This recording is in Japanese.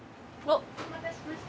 ・お待たせしました。